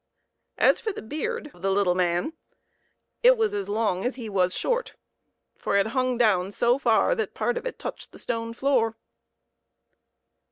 As for the beard of the little man, it was as long as he was short, for it hung down so far that part of it touched the stone floor.